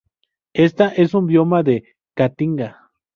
Está en un bioma de Caatinga.